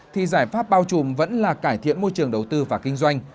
thì giải pháp bao trùm vẫn là cải thiện môi trường đầu tư và kinh doanh